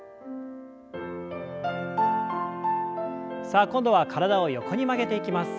さあ今度は体を横に曲げていきます。